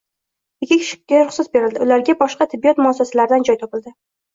Ikki kishiga ruxsat berildi, ularga boshqa tibbiyot muassasasidan joy topildi